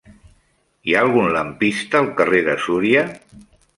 Hi ha algun lampista al carrer de Súria?